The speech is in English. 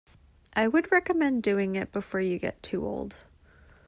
I would recommend doing it before you get too old.